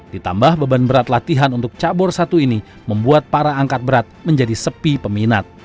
ditambah beban berat latihan untuk cabur satu ini membuat para angkat berat menjadi sepi peminat